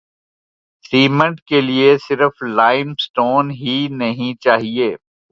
Cement کیلئے صرف limestone ہی نہیں چاہیے۔